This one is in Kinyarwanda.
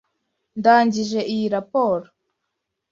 Ndangije iyi raporo.